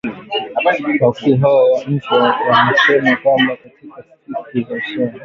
Wakuu hao wa nchi wamesema kwamba katika siku za usoni,